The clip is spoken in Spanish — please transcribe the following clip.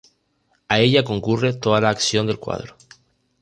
A ella concurre toda la acción del cuadro.